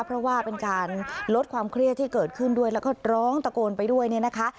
เพราะว่าเป็นการลดความเครียดที่เกิดขึ้นด้วยแล้วก็ร้องตะโกนไปด้วยเนี่ยนะคะ